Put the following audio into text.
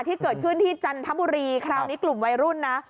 ที่เกิดขึ้นที่จันทบุรีคราวนี้กลุ่มวัยรุ่นนะ